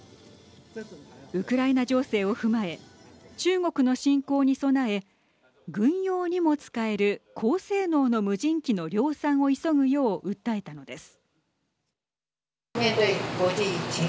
ウクライナ情勢を踏まえ中国の侵攻に備え軍用にも使える高性能の無人機の量産を急ぐよう訴えたのです。